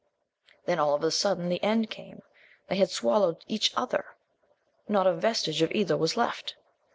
Then, all of a sudden, the end came. They had swallowed each other! Not a vestige of either was left!